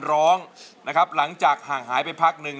ร้องนะครับห่างหายไปพักหนึ่ง